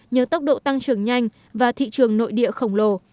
nhờ tốc độ tăng trưởng nhanh và thị trường nội địa khổng lồ